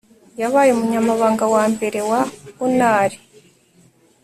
yabaye umunyamabanga wa mbere wa unar